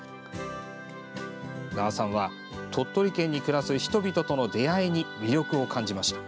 名和さんは鳥取県に暮らす人々との出会いに魅力を感じました。